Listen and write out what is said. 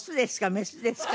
メスですか？」